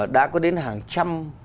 đã có đến hàng trăm